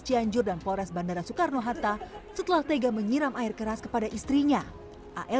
cianjur dan polres bandara soekarno hatta setelah tega menyiram air keras kepada istrinya al